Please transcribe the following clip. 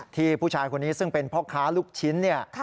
ที่ผู้ชายคนนี้ซึ่งเป็นพ่อค้าลูกชิ้นเนี่ย